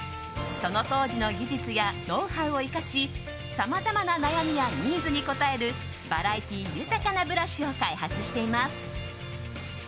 その当時の技術やノウハウを生かしさまざまな悩みやニーズに応えるバラエティー豊かなブラシを開発しています。